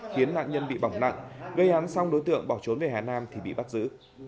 khiến nạn nhân bị bỏng nặng gây án xong đối tượng bỏ trốn về hà nam thì bị bắt giữ